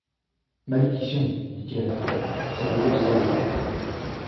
Malédiction! dit-il avec colère ! c’est de l’eau salée !